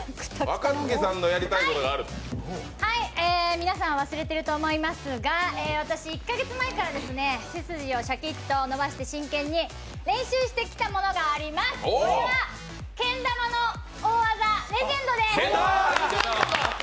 皆さん、忘れてると思いますが私、１か月前から背筋をシャキッと伸ばして真剣に練習してきたものがあります、それはけん玉の大技レジェンドです。